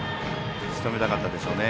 しとめたかったでしょうね。